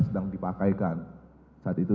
sedang dipakaikan saat itu